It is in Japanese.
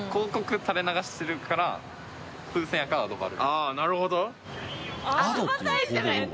ああなるほど！